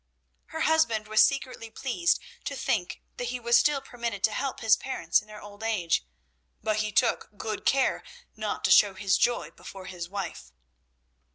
Her husband was secretly pleased to think that he was still permitted to help his parents in their old age, but he took good care not to show his joy before his wife.